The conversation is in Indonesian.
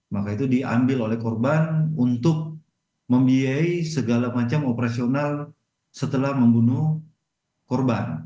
maka itu diambil oleh korban untuk membiayai segala macam operasional setelah membunuh korban